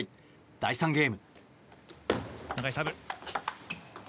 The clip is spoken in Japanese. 第３ゲーム。